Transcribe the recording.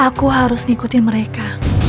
aku harus ikutin mereka